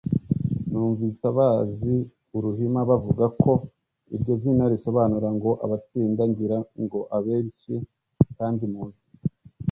numvise abazi uruhima bavuga ko iryo zina risobanura ngo abatsinda; ngira ngo abenshi kandi muzi